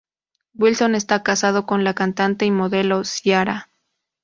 Wilson está casado con la cantante y modelo Ciara.